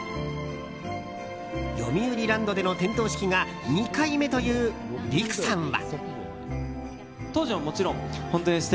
よみうりランドでの点灯式が２回目というＲＩＫＵさんは。